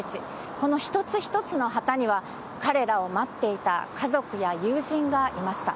この一つ一つの旗には、彼らを待っていた家族や友人がいました。